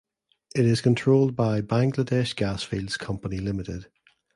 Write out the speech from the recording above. It is controlled by Bangladesh Gas Fields Company Limited.